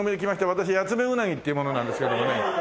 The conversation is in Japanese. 私ヤツメウナギっていう者なんですけどもね。